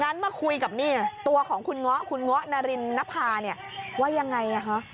งั้นมาคุยกับตัวของคุณง๊อคุณง๊อนารินนภาว่ายังไง